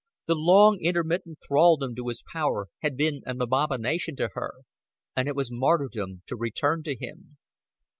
The long intermittent thraldom to his power had been an abomination to her, and it was martyrdom to return to him.